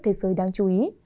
thế giới đang chú ý